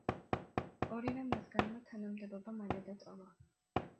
ორივე მათგანმა თანამდებობა მალე დატოვა.